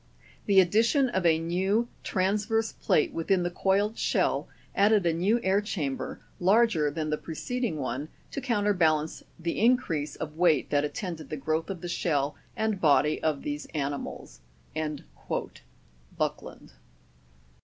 The addition of a new transverse plate within the coiled shell added a new air chamber, larger than the preceding one, to counterbalance the increase of weight that attended the growth of the shell and body of these ani mals." Buckland.